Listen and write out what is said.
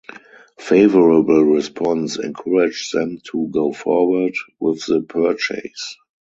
Favorable response encouraged them to go forward with the purchase.